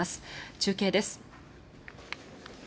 中継です。